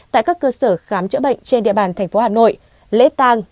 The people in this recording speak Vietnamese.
tại các cơ sở khám chữa bệnh trên địa bàn thành phố hà nội lễ tang